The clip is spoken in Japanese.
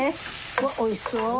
うわっおいしそう！